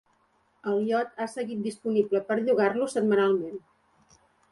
El iot ha seguit disponible per a llogar-lo setmanalment.